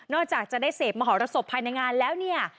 จากจะได้เสพมหรสบภายในงานแล้วเนี่ย